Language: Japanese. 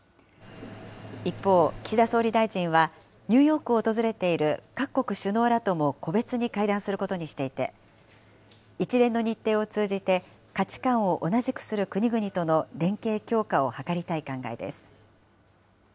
一方、岸田総理大臣は、ニューヨークを訪れている各国首脳らとも個別に会談することにしていて、一連の日程を通じて価値観を同じくする国々との連携強化を図りたい考えです。